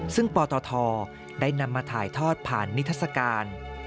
ซึ่งปตทได้นำมาถ่ายทอดผ่านนิทัศกาล